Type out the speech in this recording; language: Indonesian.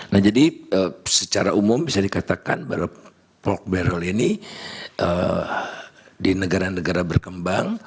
nah jadi secara umum bisa dikatakan bahwa polk barrel ini di negara negara berkembang